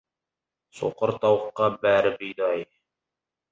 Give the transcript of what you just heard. Соқыр тауыққа бәрі бидай.